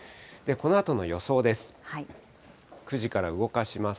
このあとの予想です。